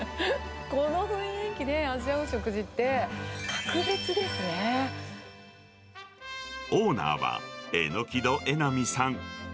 この雰囲気で味わう食事って、オーナーは、榎戸えなみさん。